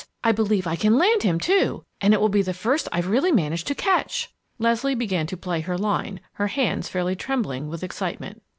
I believe I can land him, too. And it will be the first I've really managed to catch!" Leslie began to play her line, her hands fairly trembling with excitement.